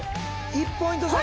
１ポイント差。